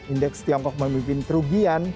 indeks tiongkok memimpin kerugian